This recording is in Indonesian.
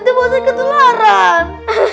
nanti busan ketularan